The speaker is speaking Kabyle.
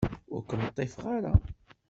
Ur kem-ḍḍifeɣ ara.